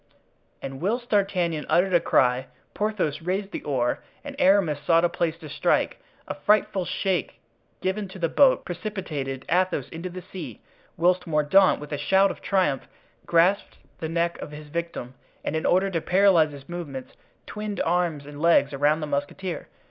And whilst D'Artagnan uttered a cry, Porthos raised the oar, and Aramis sought a place to strike, a frightful shake given to the boat precipitated Athos into the sea; whilst Mordaunt, with a shout of triumph, grasped the neck of his victim, and in order to paralyze his movements, twined arms and legs around the musketeer.